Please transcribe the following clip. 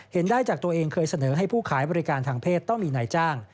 เห็นได้จากตัวเองเคยเสนอให้ผู้ขายบริการทางเพศต้องมีนายจ้าง